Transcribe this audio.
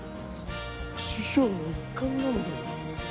授業の一環なんだよ。